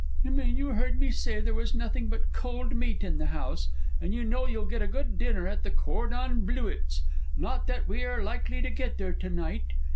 You mean you heard me say there was nothing but cold meat in the house, and you know you'll get a good dinner at the Cordon Blewitts, not that we are likely to get there to night.